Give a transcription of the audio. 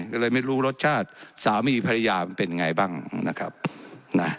ก็เลยไม่รู้รสชาติสามีภรรยามันเป็นยังไงบ้างนะครับนะ